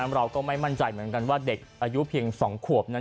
เราก็ไม่มั่นใจเหมือนกันว่าเด็กอายุเพียง๒ขวบนั้น